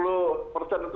jadi kalau kita itu akan